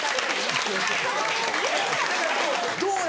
どうや？